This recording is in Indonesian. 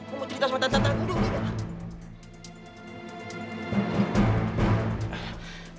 aku mau cerita sama tante aku dulu